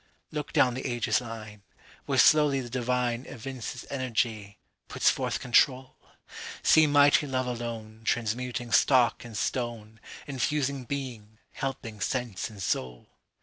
Look down the ages' line, Where slowly the divineEvinces energy, puts forth control; See mighty love aloneTransmuting stock and stone, Infusing being, helping sense and soul.